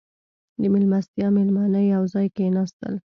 • د میلمستیا مېلمانه یو ځای کښېناستل.